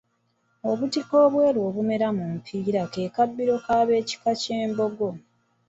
Obutiko ebweru obumera mu mpiira ke kabbiro k’ekika ky’Embogo.